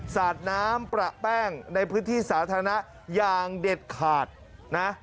สาดน้ำประแป้งในพื้นที่สาธารณะอย่างเด็ดขาดนะ